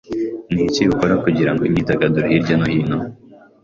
Niki ukora kugirango imyidagaduro hirya no hino?